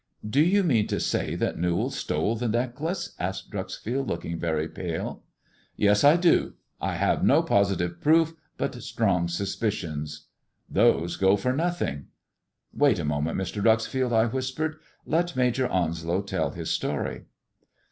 " Do you mean to say Newall stole the necklace ?" asked Dreuxfield, looking very pale. " Yes, I do ! I have no positive proof, but strong suspicions." " Those go for nothing." " Wait a moment, Mr. Dreuxfield," I whispered. " Let Major Onslow tell his story."